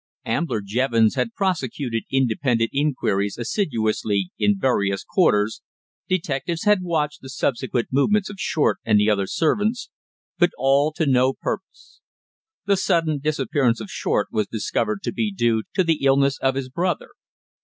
Ambler Jevons had prosecuted independent inquiries assiduously in various quarters, detectives had watched the subsequent movements of Short and the other servants, but all to no purpose. The sudden disappearance of Short was discovered to be due to the illness of his brother.